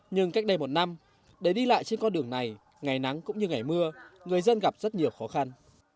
nhưng cách đây một năm để đi lại trên con đường này ngày nắng cũng như ngày mưa người dân gặp rất nhiều khó khăn